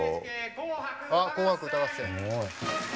あっ「紅白歌合戦」。